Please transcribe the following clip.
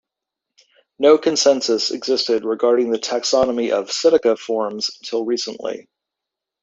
No consensus existed regarding the taxonomy of Psittaciformes until recently.